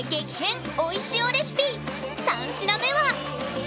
三品目は！